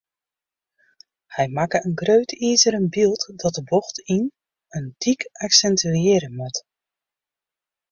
Hy makke in grut izeren byld dat de bocht yn in dyk aksintuearje moat.